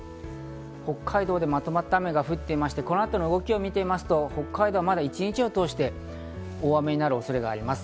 北海道でまとまった雨が降っていまして、この後の動きを見てみますと、北海道は一日を通して大雨になる恐れがあります。